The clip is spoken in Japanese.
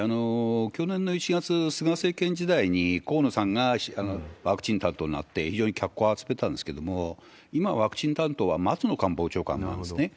去年の１月、菅政権時代に河野さんがワクチン担当になって、非常に脚光を集めたんですけれども、今ワクチン担当は松野官房長官なんですね。